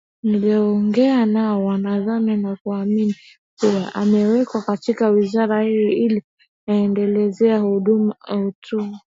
niloongea nao wanadhani na kuamini kuwa amewekwa katika wizara hii ili aendeleze tuhuma za